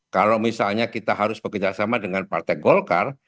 kalau misalnya kita harus bekerjasama dengan partai golkar